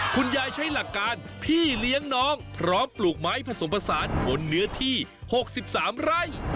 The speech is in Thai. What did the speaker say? คุณยายใช้หลักการพี่เลี้ยงน้องพร้อมปลูกไม้ผสมผสานบนเนื้อที่๖๓ไร่